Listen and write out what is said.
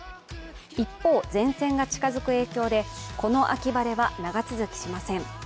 一方、前線が近づく影響で、この秋晴れは長続きしません。